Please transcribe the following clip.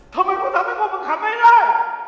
ทำไมกูทำให้พวกมันขำไม่ได้